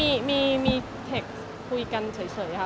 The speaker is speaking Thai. ก็ไม่เจอก็มีเทคต์คุยกันเฉยค่ะ